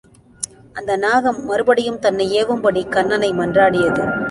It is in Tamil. அந்த நாகம் மறுபடியும் தன்னை ஏவும்படி கன்னனை மன்றாடியது.